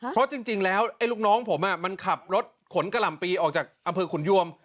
เพราะจริงแล้วไอ้ลูกน้องผมมันขับรถขนกะหล่ำปีออกจากอำเภอขุนยวม